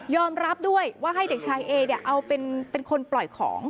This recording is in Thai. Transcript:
รับด้วยว่าให้เด็กชายเอเนี่ยเอาเป็นคนปล่อยของ